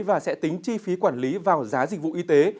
và sẽ tính chi phí quản lý vào giá dịch vụ y tế